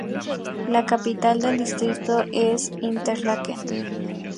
La capital del distrito es Interlaken.